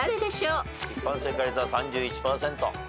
一般正解率は３１％。